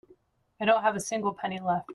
I don't have a single penny left.